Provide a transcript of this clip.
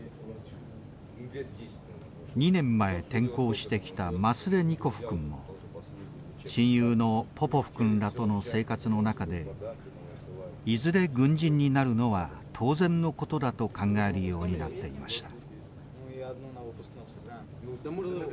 ２年前転校してきたマスレニコフ君も親友のポポフ君らとの生活の中でいずれ軍人になるのは当然のことだと考えるようになっていました。